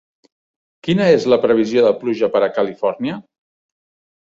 Quina és la previsió de pluja per a Califòrnia?